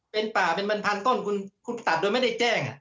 เป็นป่าเป็นพันต้นคุณตัดโดยไม่ได้แจ้ง